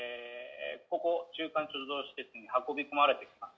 「ここ中間貯蔵施設に運び込まれてきます」